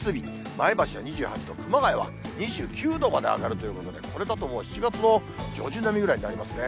前橋は２８度、熊谷は２９度まで上がるということで、これだともう７月の上旬並みぐらいになりますね。